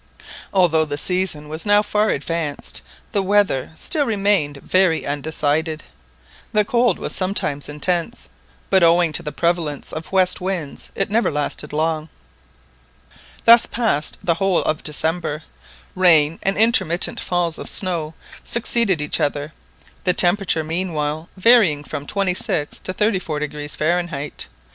Although the season was now far advanced, the weather still remained very undecided. The cold was sometimes intense, but owing to the prevalence of west winds it never lasted long. Thus passed the whole of December, rain and intermittent falls of snow succeeded each other, the temperature meanwhile varying from 26° to 34° Fahrenheit.